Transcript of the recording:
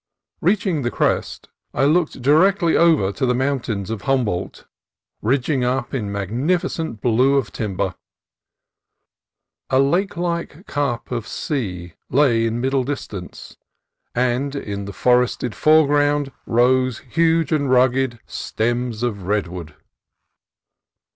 Reaching the crest, I looked directly over to the mountains of Humboldt, ridging up in mag nificent blue of timber. A lake like cup of sea lay in middle distance, and in the forested foreground rose huge and rugged stems of redwood.